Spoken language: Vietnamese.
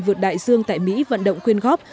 vượt đại dương tại mỹ vận động quyên góp